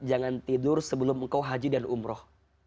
jangan tidur sebelum engkau haji dan umroh